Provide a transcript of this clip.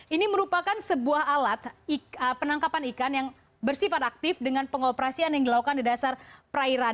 ini merupakan sebuah alat penangkapan ikan yang bersifat aktif dengan pengoperasian yang dilakukan di dasar perairan